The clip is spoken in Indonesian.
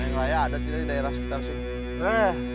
raya ada di daerah sekitar sini